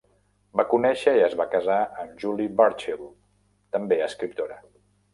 Va conèixer i es va casar amb Julie Burchill, també escriptora.